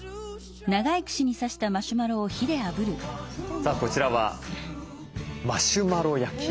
さあこちらはマシュマロ焼き。